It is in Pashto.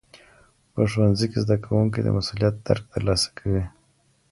په ښوونځي کي زدهکوونکي د مسوولیت درک ترلاسه کوي.